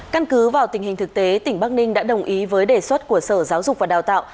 căn cứ vào tình hình thực tế tỉnh bắc ninh đã đồng ý với đề xuất của sở giáo dục và đào tạo